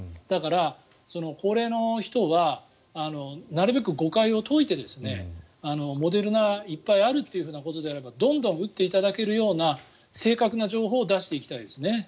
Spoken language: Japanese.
だから高齢の人はなるべく誤解を解いてモデルナがいっぱいあるということであればどんどん打っていただけるような正確な情報を出していきたいですね。